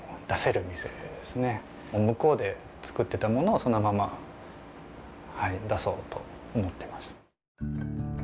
向こうで作ってたものをそのまま出そうと思ってました。